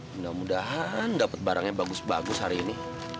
mudah mudahan dapet barang yang bagus bagus hari ini